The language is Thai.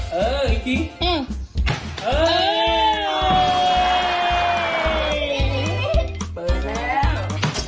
เปิดแล้ว